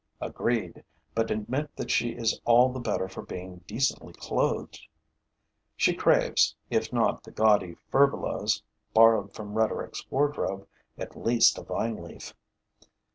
Agreed; but admit that she is all the better for being decently clothed. She craves, if not the gaudy furbelows borrowed from rhetoric's wardrobe, at least a vine leaf.